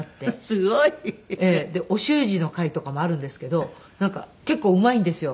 すごい。お習字の会とかもあるんですけどなんか結構うまいんですよ